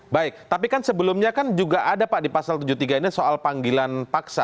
baik tapi kan sebelumnya kan juga ada pak di pasal tujuh puluh tiga ini soal panggilan paksa